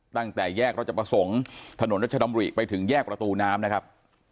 ตั้งแต่แยกราชประสงค์ถนนรัชดำริไปถึงแยกประตูน้ำนะครับ